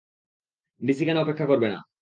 DC কেন অপেক্ষা করবে না?